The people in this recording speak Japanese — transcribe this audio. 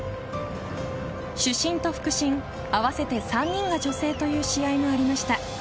主審と副審、合わせて３人が女性という試合もありました。